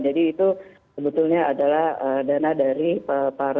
jadi itu sebetulnya adalah dana dari investasi ini